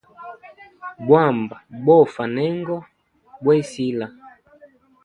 Bwamba bofa nengo boisila.